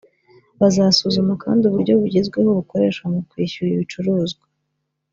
Bazasuzuma kandi uburyo bugezweho bukoreshwa mu kwishyura ibicuruzwa